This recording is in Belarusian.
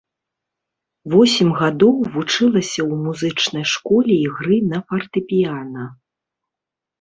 Восем гадоў вучылася ў музычнай школе ігры на фартэпіяна.